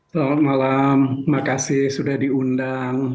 selamat malam terima kasih sudah diundang